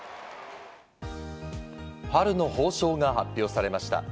春の褒章が発表されました。